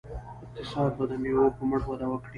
اقتصاد به د میوو په مټ وده وکړي.